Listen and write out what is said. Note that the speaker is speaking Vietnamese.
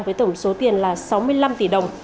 với tổng số tiền là sáu mươi năm tỷ đồng